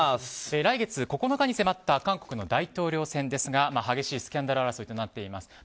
来月９日に迫った韓国の大統領選ですが激しいスキャンダル争いとなっています。